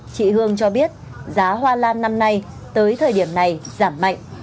chị hương cho biết giá hoa lan năm nay tới thời điểm này giảm mạnh